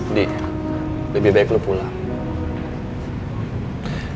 didi lebih baik lu pulang